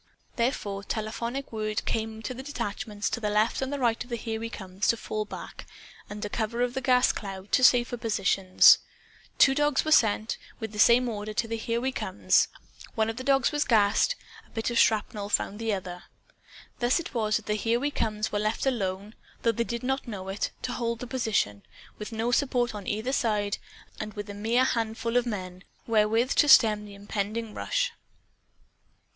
Therefore telephonic word came to the detachments to left and right of the Here We Comes, to fall back, under cover of the gas cloud, to safer positions. Two dogs were sent, with the same order, to the Here We Comes. (One of the dogs was gassed. A bit of shrapnel found the other.) Thus it was that the Here We Comes were left alone (though they did not know it), to hold the position, with no support on either side, and with a mere handful of men wherewith to stem the impending rush.